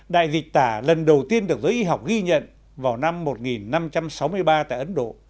đại dịch tả lần đầu tiên được giới y học ghi nhận vào năm một nghìn năm trăm sáu mươi ba tại ấn độ